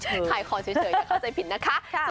ขายคอเฉยอย่าเข้าใจผิดนะคะ